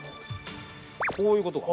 こういうことか。